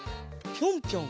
ぴょんぴょん？